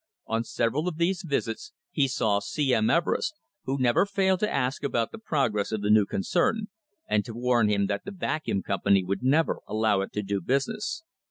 On several of these visits he saw C. M. Everest, who never failed to ask about the progress of the new concern, and to warn him that the Vacuum Company would never allow it to do business.